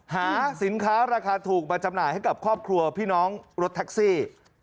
หาสินค้าราคาถูกมาจำหน่ายให้กับครอบครัวพี่น้องรถแท็กซี่